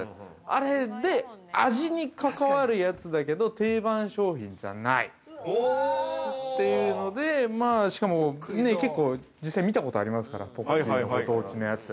あれで味にかかわるやつだけど定番商品じゃないというので、しかも結構、実際見たことがありますから、ポッキー、ご当地のやつ。